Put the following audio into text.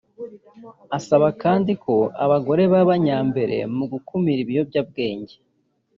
asaba kandi ko abagore baba nyambere mu gukumira ibiyobyabwenge